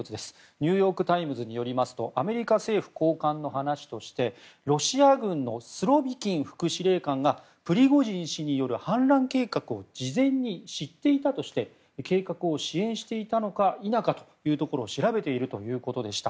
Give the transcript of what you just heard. ニューヨーク・タイムズによりますとアメリカ政府高官の話としてロシア軍のスロビキン副司令官がプリゴジン氏による反乱計画を事前に知っていたとして計画を支援していたのか否かというところを調べているということでした。